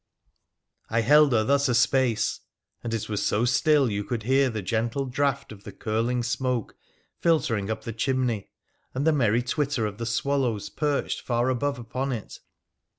I held her thus a space, and it was so still you could hear the gentle draught of the curling smoke filtering up the chimney, and the merry twitter of the swallows perched far above upon it.